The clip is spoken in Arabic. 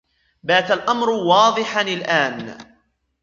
بات الأمر واضحا الآن.